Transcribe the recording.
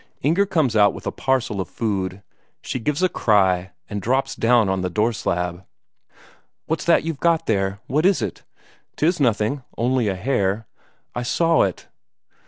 Inger comes out with a parcel of food; she gives a cry, and drops down on the door slab. "What's that you've got there? What is it?" "Tis nothing. Only a hare." "I saw it."